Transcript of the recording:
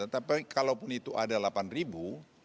tapi kalau pun itu ada delapan ribu